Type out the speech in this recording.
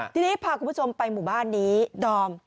ทีนี้พาคุณผู้ชมไปหมู่บ้านนี้ดอม